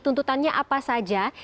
tuntutannya apa saja